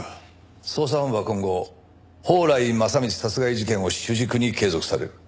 捜査本部は今後宝来正道殺害事件を主軸に継続される。